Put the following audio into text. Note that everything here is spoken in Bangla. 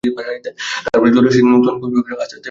তারপরই জলের সেই নর্তন কুর্দন আস্তে আস্তে মিলিয়ে যায়।